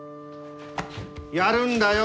やるんだよ